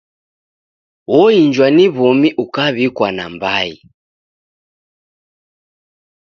Oinjwa ni w'omi ukaw'ikwa nambai.